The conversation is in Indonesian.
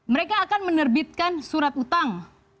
mereka akan menerbitkan surat utang